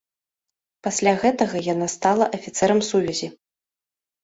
Пасля гэтага яна стала афіцэрам сувязі.